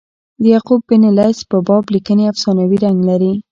د یعقوب بن لیث په باب لیکني افسانوي رنګ لري.